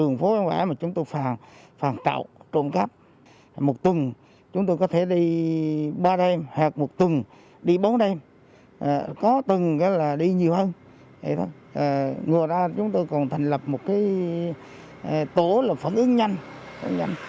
ngoài ra chúng tôi còn thành lập một tổ phản ứng nhanh